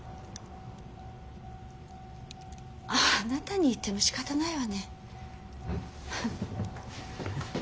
あなたに言ってもしかたないわね。